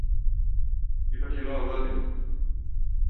Ипак је Нова година.